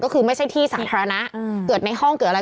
ก็คือไม่ใช่ที่สาธารณะเกิดในห้องเกิดอะไร